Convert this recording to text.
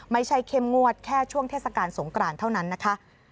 เข้มงวดแค่ช่วงเทศกาลสงกรานเท่านั้นนะคะ